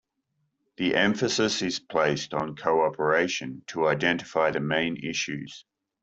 The emphasis is placed on co-operation to identify the main issues.